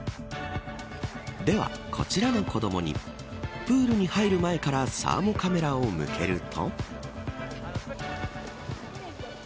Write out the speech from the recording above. では、こちらの子どもにプールに入る前からサーモカメラを向けると。